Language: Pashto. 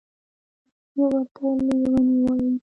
ځینې ورته لوني وايي.